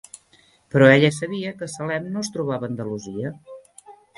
Però ella sabia que Salem no es trobava a Andalusia.